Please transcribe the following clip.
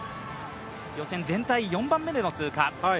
予選全体４番目での通過。